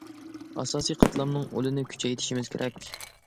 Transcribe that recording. ئاساسىي قاتلامنىڭ ئۇلىنى كۈچەيتىشىمىز كېرەك.